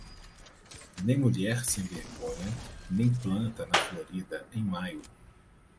Nem mulher sem vergonha nem planta na florida em maio.